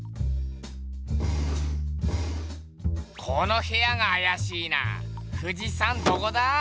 この部屋があやしいな富士山どこだ？